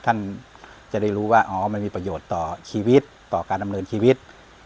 ท่านจะได้รู้ว่าอ๋อมันมีประโยชน์ต่อชีวิตต่อการดำเนินชีวิต